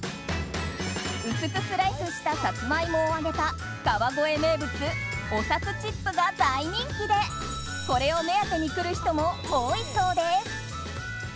薄くスライスしたサツマイモを揚げた川越名物おさつチップが大人気でこれを目当てに来る人も多いそうです。